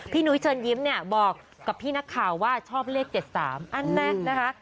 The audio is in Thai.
นุ้ยเชิญยิ้มเนี่ยบอกกับพี่นักข่าวว่าชอบเลข๗๓อันนั้นนะคะ